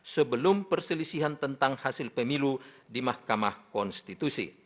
sebelum perselisihan tentang hasil pemilu di mahkamah konstitusi